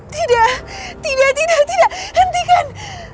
tidak tidak tidak hentikan